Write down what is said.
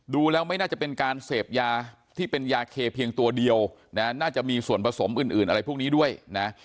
ดูแล้วไม่น่าจะเป็นการเสพยาที่เป็นยาเคเพียงตัวเดียวนะน่าจะมีส่วนผสมอื่นอะไรพวกนี้ด้วยนะ